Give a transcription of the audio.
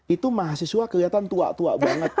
itu mahasiswa kelihatan tua tua banget